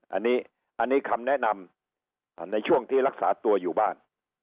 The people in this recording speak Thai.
อันนี้คำแนะนำในช่วงที่รักษาตัวอยู่บ้าน